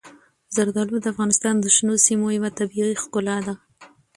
زردالو د افغانستان د شنو سیمو یوه طبیعي ښکلا ده.